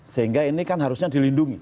sehingga ini kan harusnya dilindungi